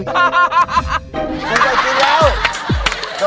ชมโชคกินรัก